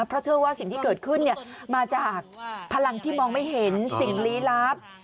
เพราะเชื่อว่าสิ่งที่เกิดขึ้นมาจากพลังที่มองไม่เห็นสิ่งลี้ลับ